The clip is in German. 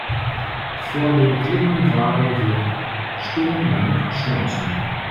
Vor den Klippen waren wir stundenlang schnorcheln.